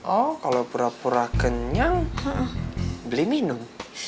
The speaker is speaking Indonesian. oh kalau pura pura kenyang beli minum